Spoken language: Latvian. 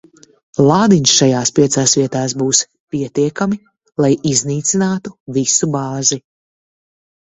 Lādiņi šajās piecās vietās būs pietiekami, lai iznīcinātu visu bāzi.